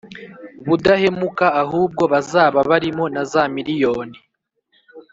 Budahemuka ahubwo bazaba barimo na za miriyoni